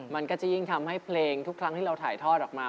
มันก็จะยิ่งทำให้เพลงทุกครั้งที่เราถ่ายทอดออกมา